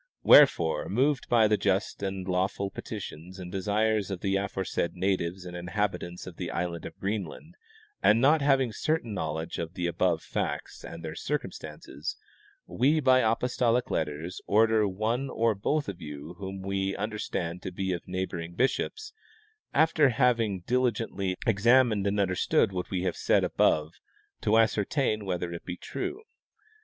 Wherefore, moved by the just and lawful petitions and desires of the aforesaid natives and inhabitants of the island of Greenland and not having cer tain knowledge of the above facts and their circumstances, we by apostolic letters order one or both of you, whom we under stand to be of the neighboring bishops, after having diligently The Bishop of Greenland. 215 examined and understood what we have said above, to ascer tain whether it be true.